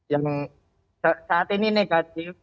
yang saat ini negatif